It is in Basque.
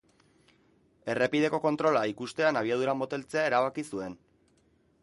Errepideko kontrola ikustean abiadura moteltzea erabaki zuen.